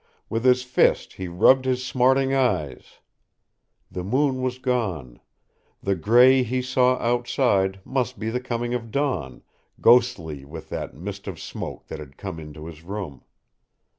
With his fist he rubbed his smarting eyes. The moon was gone. The gray he saw outside must be the coming of dawn, ghostly with that mist of smoke that had come into his room.